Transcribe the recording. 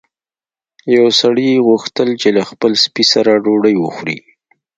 یو سړي غوښتل چې له خپل سپي سره ډوډۍ وخوري.